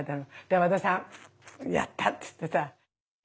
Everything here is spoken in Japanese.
和田さん「やった！」って言ってさ。